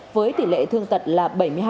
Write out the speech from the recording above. với tỷ lệ thương tật là bảy mươi hai